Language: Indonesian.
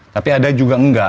tapi ada juga enggak